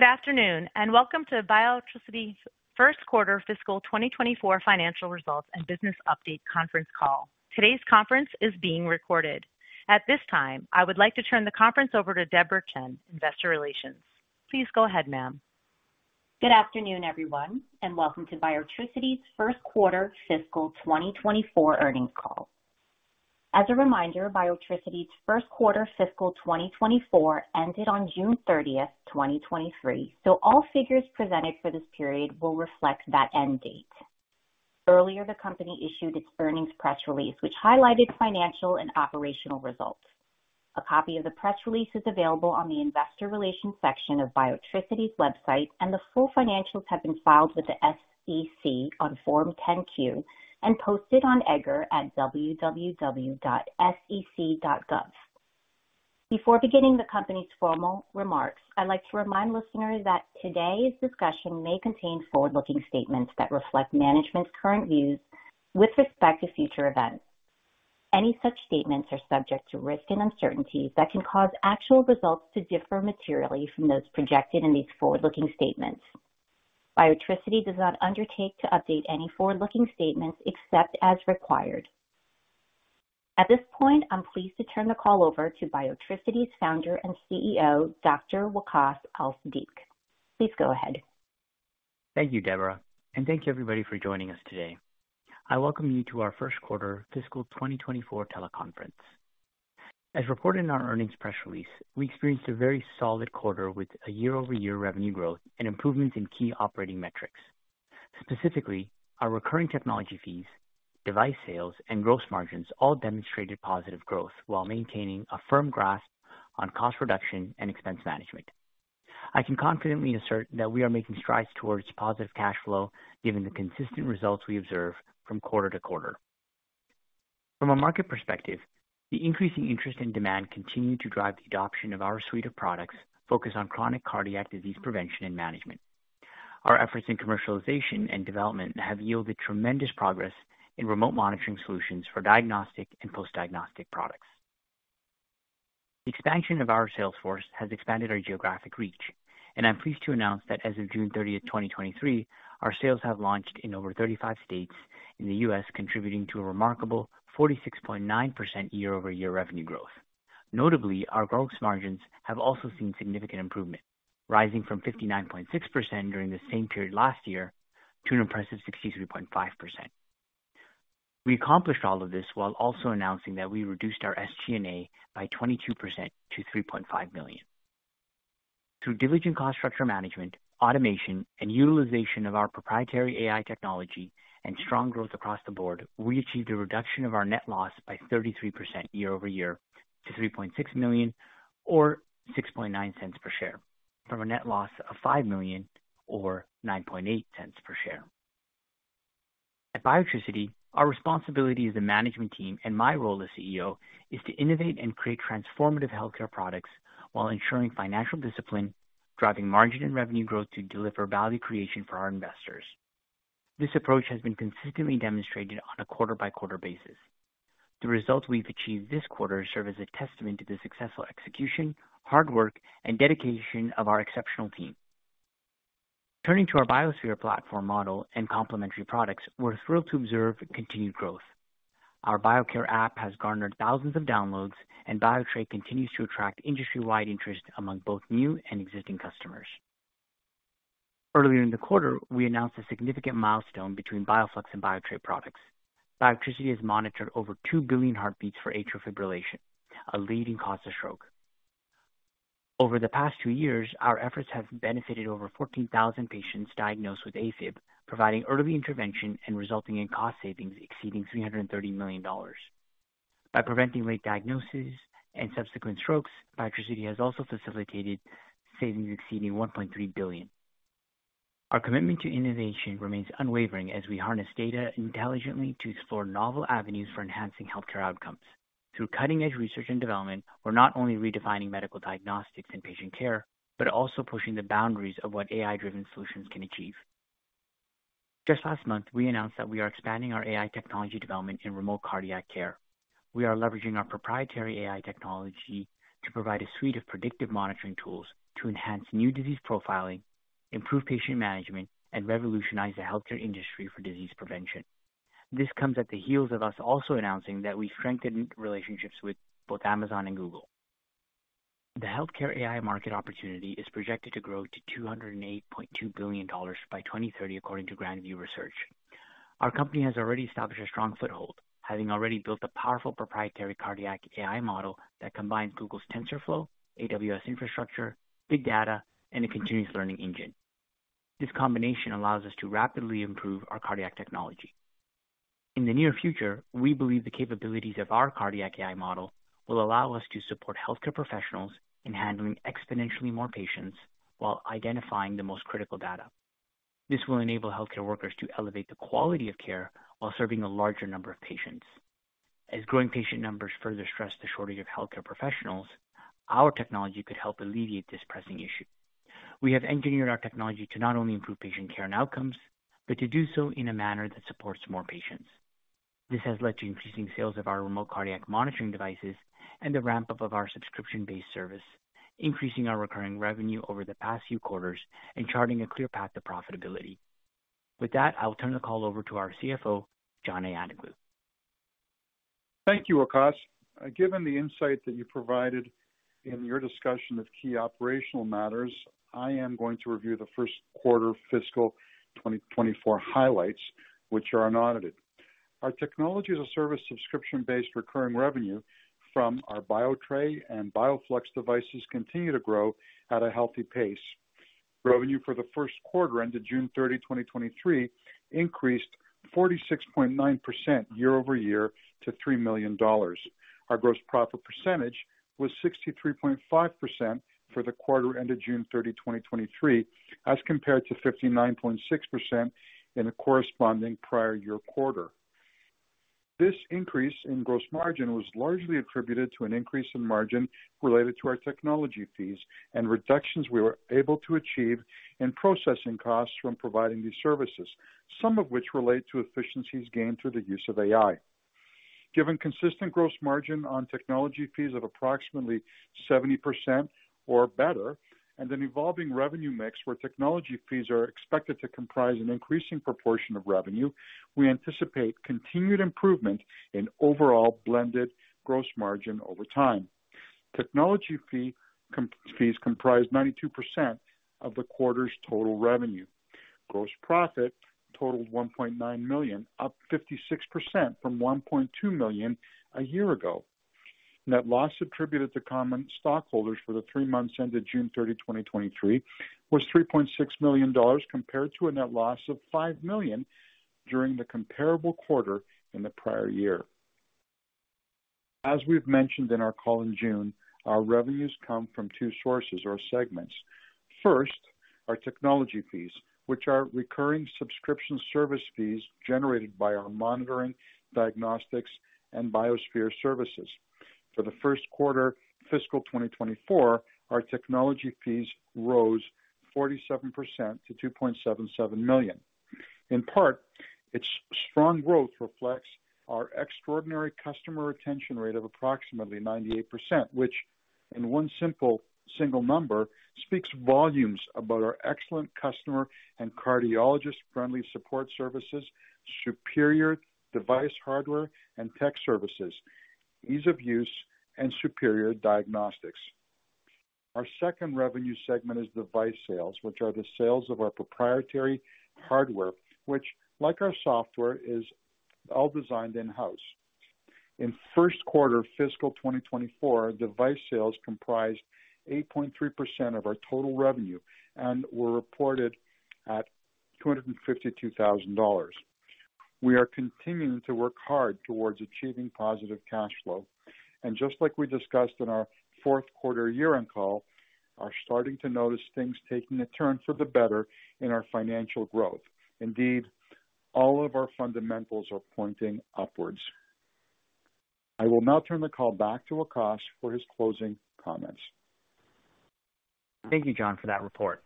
Good afternoon, and welcome to Biotricity's Q1 fiscal 2024 financial results and business update conference call. Today's conference is being recorded. At this time, I would like to turn the conference over to Debra Chen, Investor Relations. Please go ahead, ma'am. Good afternoon, everyone, and welcome to Biotricity's Q1 fiscal 2024 earnings call. As a reminder, Biotricity's Q1 fiscal 2024 ended on June 30, 2023, so all figures presented for this period will reflect that end date. Earlier, the company issued its earnings press release, which highlighted financial and operational results. A copy of the press release is available on the investor relations section of Biotricity's website, and the full financials have been filed with the SEC on Form 10-Q and posted on EDGAR at www.sec.gov. Before beginning the company's formal remarks, I'd like to remind listeners that today's discussion may contain forward-looking statements that reflect management's current views with respect to future events. Any such statements are subject to risks and uncertainties that can cause actual results to differ materially from those projected in these forward-looking statements. Biotricity does not undertake to update any forward-looking statements except as required. At this point, I'm pleased to turn the call over to Biotricity's founder and CEO, Dr. Waqaas Al-Siddiq. Please go ahead. Thank you, Debra, and thank you, everybody, for joining us today. I welcome you to our Q1 fiscal 2024 teleconference. As reported in our earnings press release, we experienced a very solid quarter with a year-over-year revenue growth and improvements in key operating metrics. Specifically, our recurring technology fees, device sales, and gross margins all demonstrated positive growth while maintaining a firm grasp on cost reduction and expense management. I can confidently assert that we are making strides towards positive cash flow given the consistent results we observe from quarter-quarter. From a market perspective, the increasing interest and demand continue to drive the adoption of our suite of products focused on chronic cardiac disease prevention and management. Our efforts in commercialization and development have yielded tremendous progress in remote monitoring solutions for diagnostic and post-diagnostic products. The expansion of our sales force has expanded our geographic reach. I'm pleased to announce that as of June 30, 2023, our sales have launched in over 35 states in the US, contributing to a remarkable 46.9% year-over-year revenue growth. Notably, our gross margins have also seen significant improvement, rising from 59.6% during the same period last year to an impressive 63.5%. We accomplished all of this while also announcing that we reduced our SG&A by 22% to $3.5 million. Through diligent cost structure management, automation, and utilization of our proprietary AI technology and strong growth across the board, we achieved a reduction of our net loss by 33% year-over-year to $3.6 million, or $0.069 per share, from a net loss of $5 million or $0.098 per share. At Biotricity, our responsibility as a management team and my role as CEO is to innovate and create transformative healthcare products while ensuring financial discipline, driving margin and revenue growth to deliver value creation for our investors. This approach has been consistently demonstrated on a quarter-by-quarter basis. The results we've achieved this quarter serve as a testament to the successful execution, hard work, and dedication of our exceptional team. Turning to our BioSphere platform model and complementary products, we're thrilled to observe continued growth. Our BioCare app has garnered thousands of downloads, and Biotres continues to attract industry-wide interest among both new and existing customers. Earlier in the quarter, we announced a significant milestone between Bioflux and Biotres products. Biotricity has monitored over 2 billion heartbeats for atrial fibrillation, a leading cause of stroke. Over the past 2 years, our efforts have benefited over 14,000 patients diagnosed with AFib, providing early intervention and resulting in cost savings exceeding $330 million. By preventing late diagnoses and subsequent strokes, Biotricity has also facilitated savings exceeding $1.3 billion. Our commitment to innovation remains unwavering as we harness data intelligently to explore novel avenues for enhancing healthcare outcomes. Through cutting-edge research and development, we're not only redefining medical diagnostics and patient care, but also pushing the boundaries of what AI-driven solutions can achieve. Just last month, we announced that we are expanding our AI technology development in remote cardiac care. We are leveraging our proprietary AI technology to provide a suite of predictive monitoring tools to enhance new disease profiling, improve patient management, and revolutionize the healthcare industry for disease prevention. This comes at the heels of us also announcing that we strengthened relationships with both Amazon and Google. The healthcare AI market opportunity is projected to grow to $208.2 billion by 2030, according to Grand View Research. Our company has already established a strong foothold, having already built a powerful proprietary cardiac AI model that combines Google's TensorFlow, AWS infrastructure, big data, and a continuous learning engine. This combination allows us to rapidly improve our cardiac technology. In the near future, we believe the capabilities of our cardiac AI model will allow us to support healthcare professionals in handling exponentially more patients while identifying the most critical data. This will enable healthcare workers to elevate the quality of care while serving a larger number of patients. As growing patient numbers further stress the shortage of healthcare professionals, our technology could help alleviate this pressing issue. We have engineered our technology to not only improve patient care and outcomes, but to do so in a manner that supports more patients. This has led to increasing sales of our remote cardiac monitoring devices and the ramp-up of our subscription-based service, increasing our recurring revenue over the past few quarters and charting a clear path to profitability. With that, I'll turn the call over to our CFO, John Ayanoglou. Thank you, Waqaas. Given the insight that you provided in your discussion of key operational matters, I am going to review the Q1 fiscal 2024 highlights, which are unaudited. Our Technology-as-a-Service, subscription-based recurring revenue from our Biotress and Bioflux devices continue to grow at a healthy pace. Revenue for the Q1 ended June 30, 2023, increased 46.9% year-over-year to $3 million. Our gross profit percentage was 63.5% for the quarter ended June 30, 2023, as compared to 59.6% in the corresponding prior year quarter. This increase in gross margin was largely attributed to an increase in margin related to our technology fees and reductions we were able to achieve in processing costs from providing these services, some of which relate to efficiencies gained through the use of AI. Given consistent gross margin on technology fees of approximately 70% or better, and an evolving revenue mix where technology fees are expected to comprise an increasing proportion of revenue, we anticipate continued improvement in overall blended gross margin over time. Technology fees comprised 92% of the quarter's total revenue. Gross profit totaled $1.9 million, up 56% from $1.2 million a year ago. Net loss attributed to common stockholders for the 3 months ended June 30, 2023, was $3.6 million, compared to a net loss of $5 million during the comparable quarter in the prior year. As we've mentioned in our call in June, our revenues come from 2 sources or segments. First, our technology fees, which are recurring subscription service fees generated by our monitoring, diagnostics, and BioSphere services. For the Q1, fiscal 2024, our technology fees rose 47% to $2.77 million. In part, its strong growth reflects our extraordinary customer retention rate of approximately 98%, which in one simple single number, speaks volumes about our excellent customer and cardiologist-friendly support services, superior device hardware and tech services, ease of use, and superior diagnostics. Our second revenue segment is device sales, which are the sales of our proprietary hardware, which, like our software, is all designed in-house. In Q1, fiscal 2024, device sales comprised 8.3% of our total revenue and were reported at $252,000. We are continuing to work hard towards achieving positive cash flow, just like we discussed in our Q4 year-end call, are starting to notice things taking a turn for the better in our financial growth. Indeed, all of our fundamentals are pointing upwards. I will now turn the call back to Akash for his closing comments. Thank you, John, for that report.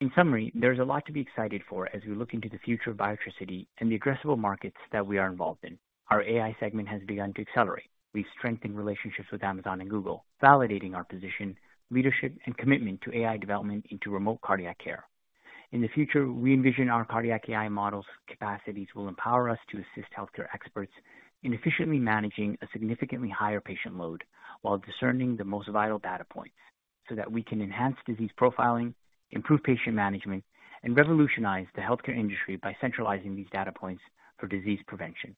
In summary, there's a lot to be excited for as we look into the future of Biotricity and the addressable markets that we are involved in. Our AI segment has begun to accelerate. We've strengthened relationships with Amazon and Google, validating our position, leadership, and commitment to AI development into remote cardiac care. In the future, we envision our cardiac AI models' capacities will empower us to assist healthcare experts in efficiently managing a significantly higher patient load, while discerning the most vital data points, so that we can enhance disease profiling, improve patient management, and revolutionize the healthcare industry by centralizing these data points for disease prevention.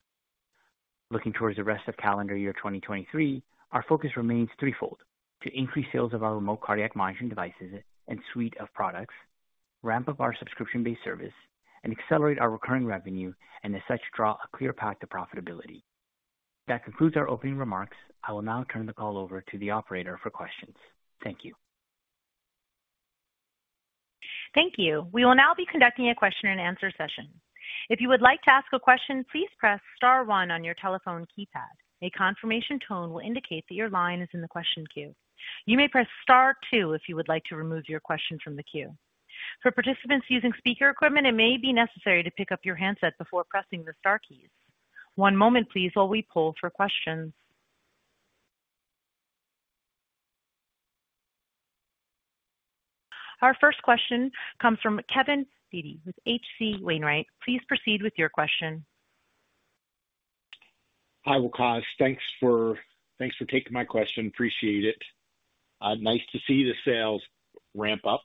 Looking towards the rest of calendar year 2023, our focus remains threefold: to increase sales of our remote cardiac monitoring devices and suite of products, ramp up our subscription-based service, and accelerate our recurring revenue, and as such, draw a clear path to profitability. That concludes our opening remarks. I will now turn the call over to the operator for questions. Thank you. Thank you. We will now be conducting a question-and-answer session. If you would like to ask a question, please press star one on your telephone keypad. A confirmation tone will indicate that your line is in the question queue. You may press star two if you would like to remove your question from the queue. For participants using speaker equipment, it may be necessary to pick up your handset before pressing the star keys. One moment, please, while we poll for questions. Our first question comes from Kevin Dede with H.C. Wainwright. Please proceed with your question. Hi, Akash. Thanks for, thanks for taking my question. Appreciate it. Nice to see the sales ramp up.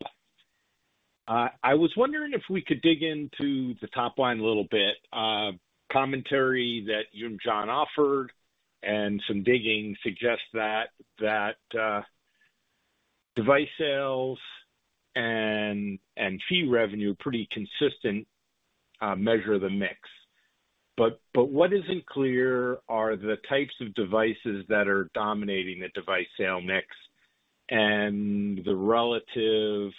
I was wondering if we could dig into the top line a little bit. Commentary that you and John offered and some digging suggests that device sales and fee revenue are pretty consistent, measure the mix. But what isn't clear are the types of devices that are dominating the device sale mix and the relative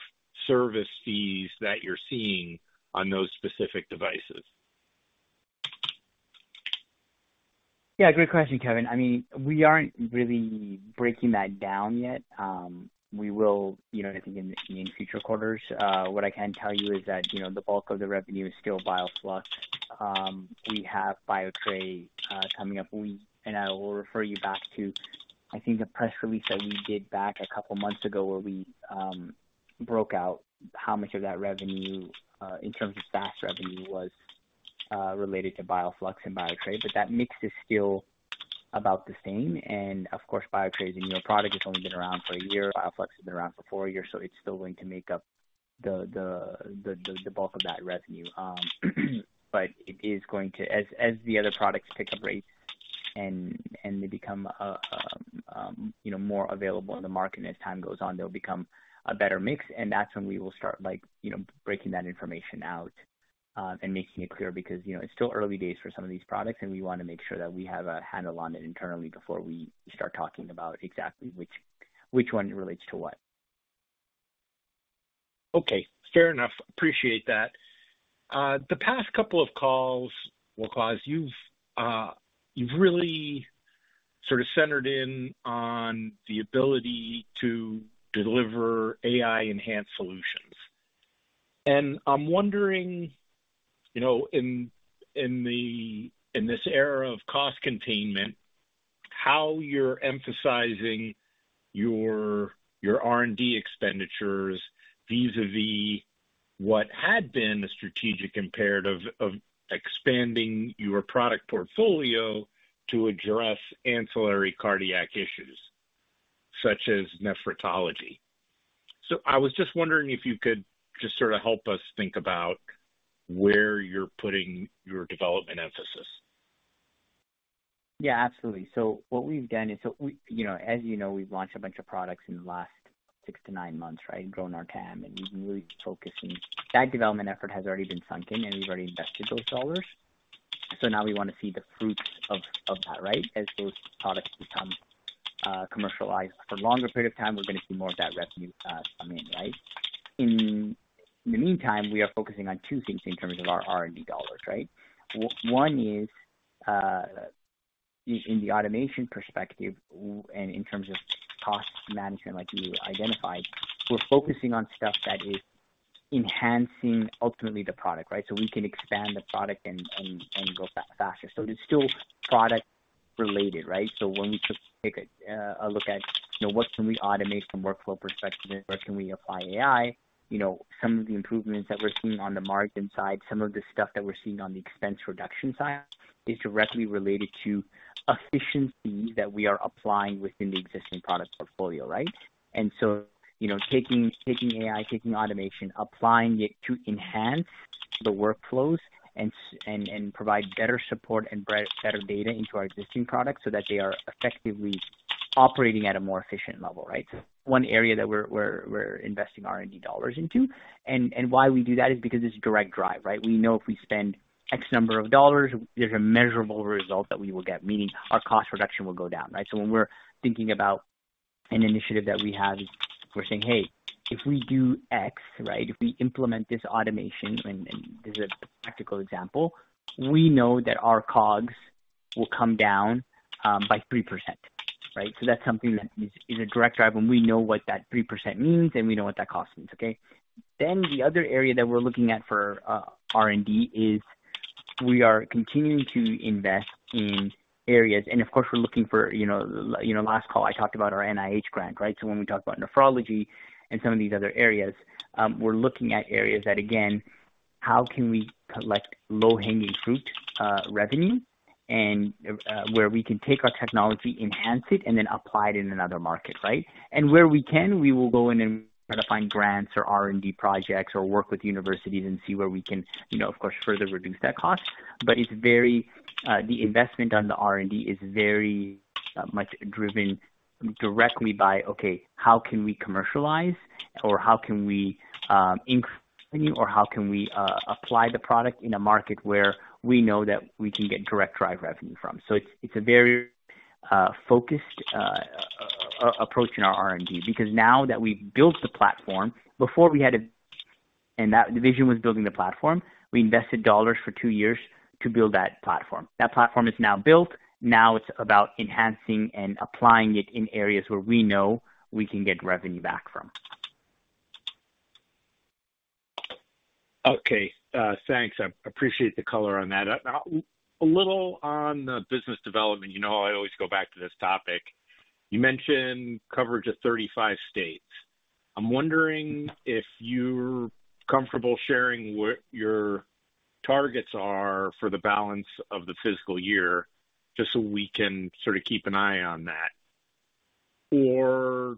service fees that you're seeing on those specific devices? Yeah, great question, Kevin. I mean, we aren't really breaking that down yet. We will, you know, I think in, in future quarters. What I can tell you is that, you know, the bulk of the revenue is still Bioflux. We have Biotres coming up. I will refer you back to, I think, the press release that we did back a couple months ago, where we broke out how much of that revenue, in terms of SaaS revenue, was related to Bioflux and Biotres. That mix is still about the same. Of course, Biotres is a newer product. It's only been around for a year. Bioflux has been around for four years, so it's still going to make up the, the, the, the bulk of that revenue. It is going to... As, as the other products pick up rate and, and they become, you know, more available in the market as time goes on, they'll become a better mix, and that's when we will start like, you know, breaking that information out, and making it clear. Because, you know, it's still early days for some of these products, and we want to make sure that we have a handle on it internally before we start talking about exactly which, which one relates to what. Okay, fair enough. Appreciate that. The past couple of calls, well, Waqaas, you've really sort of centered in on the ability to deliver AI-enhanced solutions. I'm wondering, you know, in, in the, in this era of cost containment, how you're emphasizing your, your R&D expenditures vis-a-vis what had been a strategic imperative of expanding your product portfolio to address ancillary cardiac issues, such as nephrology. I was just wondering if you could just sort of help us think about where you're putting your development emphasis. Yeah, absolutely. What we've done is, you know, as you know, we've launched a bunch of products in the last 6 to 9 months, right? Grown our TAM, we've been really focusing. That development effort has already been sunk in, we've already invested those dollars. Now we want to see the fruits of that, right? As those products become commercialized for a longer period of time, we're going to see more of that revenue coming in, right? In the meantime, we are focusing on 2 things in terms of our R&D dollars, right? One is in the automation perspective and in terms of cost management, like you identified, we're focusing on stuff that is enhancing ultimately the product, right? We can expand the product and go faster. It's still product related, right? When we take a look at, you know, what can we automate from a workflow perspective and where can we apply AI, you know, some of the improvements that we're seeing on the margin side, some of the stuff that we're seeing on the expense reduction side, is directly related to efficiency that we are applying within the existing product portfolio, right? You know, taking, taking AI, taking automation, applying it to enhance the workflows and and provide better support and better data into our existing products, so that they are effectively operating at a more efficient level, right? One area that we're, we're, we're investing R&D dollars into, and, and why we do that is because it's direct drive, right? We know if we spend X number of dollars, there's a measurable result that we will get, meaning our cost reduction will go down, right? When we're thinking about an initiative that we have, we're saying, "Hey, if we do X, right, if we implement this automation," and this is a practical example, "we know that our COGS will come down by 3%," right? That's something that is, is a direct drive, and we know what that 3% means, and we know what that cost means, okay? The other area that we're looking at for R&D is we are continuing to invest in areas, and of course, we're looking for, you know... You know, last call, I talked about our NIH grant, right? When we talk about nephrology and some of these other areas, we're looking at areas that, again, how can we collect low-hanging fruit revenue, and where we can take our technology, enhance it, and then apply it in another market, right? Where we can, we will go in and try to find grants or R&D projects or work with universities and see where we can, you know, of course, further reduce that cost. It's very, the investment on the R&D is very much driven directly by, okay, how can we commercialize? Or how can we increase revenue? Or how can we apply the product in a market where we know that we can get direct drive revenue from? It's, it's a very focused approach in our R&D, because now that we've built the platform, before we had to... That the vision was building the platform. We invested dollars for two years to build that platform. That platform is now built. Now it's about enhancing and applying it in areas where we know we can get revenue back from. Okay, thanks. I appreciate the color on that. A little on the business development. You know how I always go back to this topic. You mentioned coverage of 35 states. I'm wondering if you're comfortable sharing what your targets are for the balance of the fiscal year, just so we can sort of keep an eye on that. Or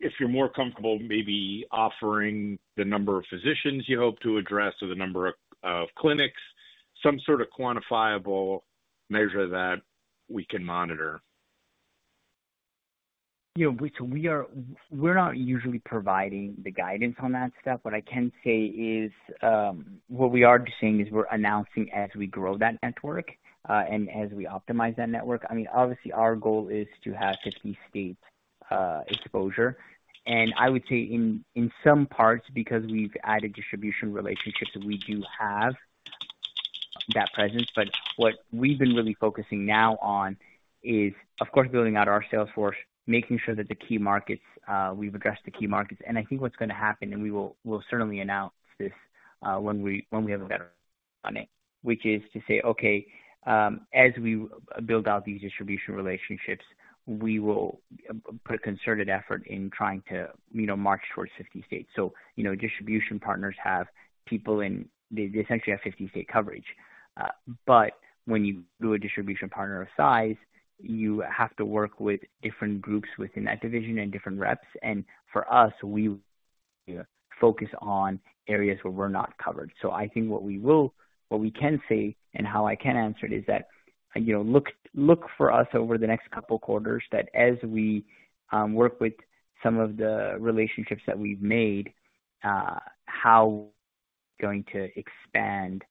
if you're more comfortable, maybe offering the number of physicians you hope to address or the number of clinics, some sort of quantifiable measure that we can monitor. You know, we're not usually providing the guidance on that stuff. What I can say is, what we are doing is we're announcing as we grow that network and as we optimize that network. I mean, obviously, our goal is to have 50 states. exposure. I would say in, in some parts, because we've added distribution relationships, we do have that presence. What we've been really focusing now on is, of course, building out our sales force, making sure that the key markets, we've addressed the key markets. I think what's going to happen, and we will, we'll certainly announce this, when we, when we have a better on it, which is to say, okay, as we build out these distribution relationships, we will put a concerted effort in trying to, you know, march towards 50 states. You know, distribution partners have people, they, they essentially have 50 state coverage. When you do a distribution partner of size, you have to work with different groups within that division and different reps. For us, we focus on areas where we're not covered. I think what we can say and how I can answer it is that, you know, look, look for us over the next couple of quarters, that as we work with some of the relationships that we've made, how we're going to expand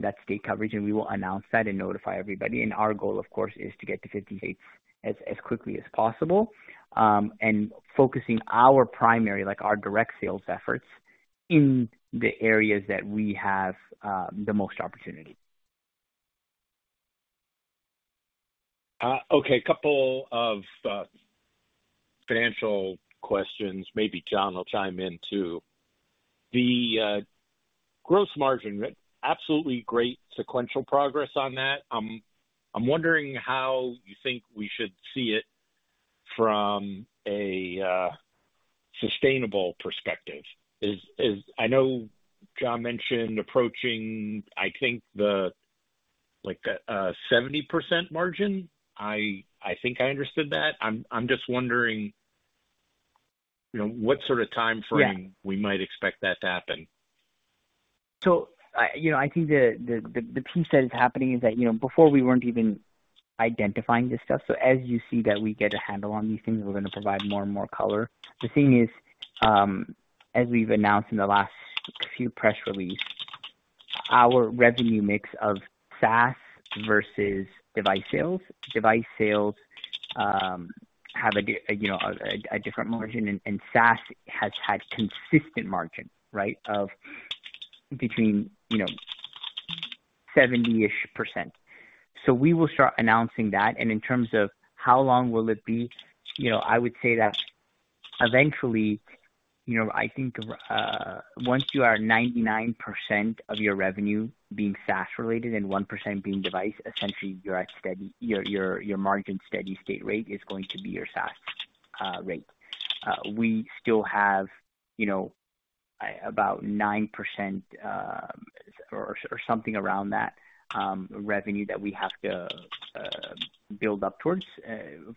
that state coverage, we will announce that and notify everybody. Our goal, of course, is to get to 50 states as, as quickly as possible, and focusing our primary, like our direct sales efforts, in the areas that we have the most opportunity. Okay, a couple of financial questions. Maybe John will chime in, too. The gross margin, absolutely great sequential progress on that. I'm wondering how you think we should see it from a sustainable perspective. Is, is I know John mentioned approaching, I think the, like, a 70% margin. I, I think I understood that. I'm, I'm just wondering, you know, what sort of time frame- Yeah. We might expect that to happen. I, you know, I think the, the, the piece that is happening is that, you know, before we weren't even identifying this stuff. As you see that we get a handle on these things, we're going to provide more and more color. The thing is, as we've announced in the last few press release, our revenue mix of SaaS versus device sales. Device sales have a, you know, a different margin, and SaaS has had consistent margin, right, of between, you know, 70-ish%. We will start announcing that, and in terms of how long will it be? You know, I would say that eventually, you know, I think, once you are 99% of your revenue being SaaS related and 1% being device, essentially, your steady, your, your, your margin steady state rate is going to be your SaaS rate. We still have, you know, a-about 9%, or, or something around that, revenue that we have to build up towards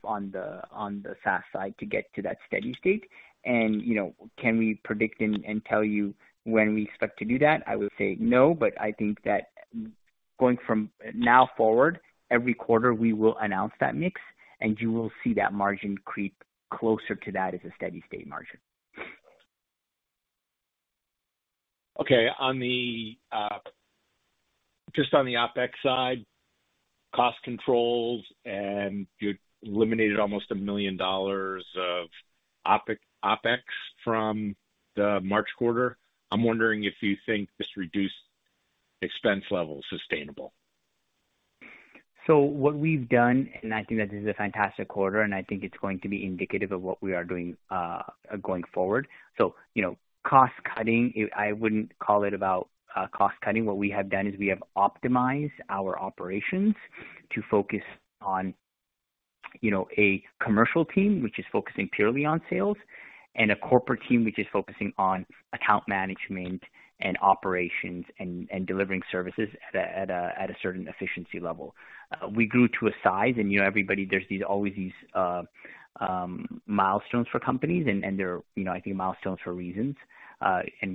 on the, on the SaaS side to get to that steady state. You know, can we predict and, and tell you when we expect to do that? I would say no, but I think that going from now forward, every quarter, we will announce that mix, and you will see that margin creep closer to that as a steady state margin. Okay. On the, just on the OpEx side, cost controls, and you eliminated almost $1 million of OpEx from the March quarter. I'm wondering if you think this reduced expense level is sustainable. What we've done, and I think that this is a fantastic quarter, and I think it's going to be indicative of what we are doing going forward. You know, cost cutting, I wouldn't call it about cost cutting. What we have done is we have optimized our operations to focus on, you know, a commercial team, which is focusing purely on sales, and a corporate team, which is focusing on account management and operations and, and delivering services at a, at a, at a certain efficiency level. We grew to a size, and, you know, everybody, there's these, always these milestones for companies and, and they're, you know, I think, milestones for reasons.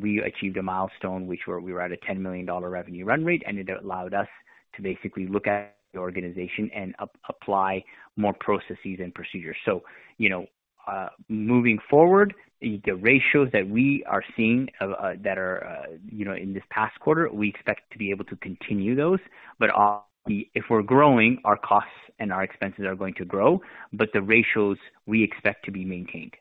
We achieved a milestone where we were at a $10 million revenue run rate, and it allowed us to basically look at the organization and apply more processes and procedures. You know, moving forward, the ratios that we are seeing that are, you know, in this past quarter, we expect to be able to continue those. If we're growing, our costs and our expenses are going to grow, but the ratios we expect to be maintained.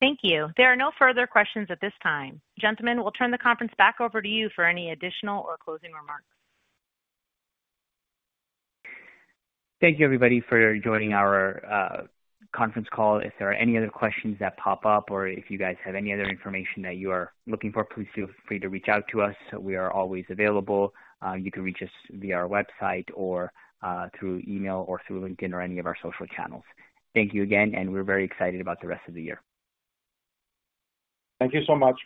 Thank you. There are no further questions at this time. Gentlemen, we'll turn the conference back over to you for any additional or closing remarks. Thank you, everybody, for joining our conference call. If there are any other questions that pop up or if you guys have any other information that you are looking for, please feel free to reach out to us. We are always available. You can reach us via our website or through email or through LinkedIn or any of our social channels. Thank you again, and we're very excited about the rest of the year. Thank you so much.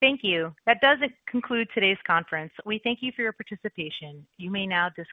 Thank you. That does conclude today's conference. We thank you for your participation. You may now disconnect.